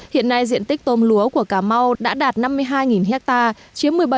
hiện nay diện tích tôm lúa của cà mau đã đạt năm mươi hai hectare